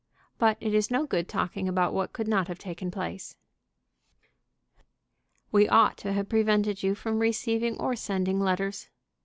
But it is no good talking about what could not have taken place." "We ought to have prevented you from receiving or sending letters."